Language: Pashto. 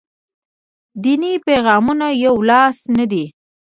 دیني پیغامونه یولاس نه دي.